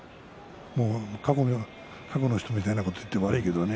もう過去の人みたいなことを言って悪いけどね。